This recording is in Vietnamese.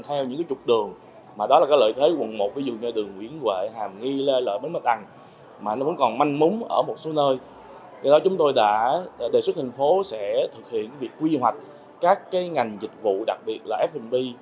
tôi đã đề xuất thành phố sẽ thực hiện việc quy hoạch các ngành dịch vụ đặc biệt là f b